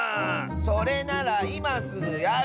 それならいますぐやる！